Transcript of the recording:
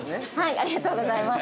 ◆ありがとうございます。